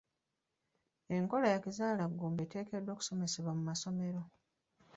Enkola ya kizaala ggumba eteekeddwa okusomesebwa mu masomero,